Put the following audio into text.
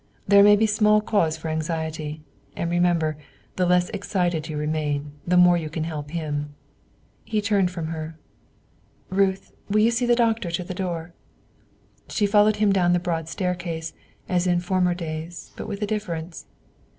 There may be small cause for anxiety; and, remember, the less excited you remain, the more you can help him." He turned from her. "Ruth, will you see the doctor to the door?" She followed him down the broad staircase, as in former days, but with a difference.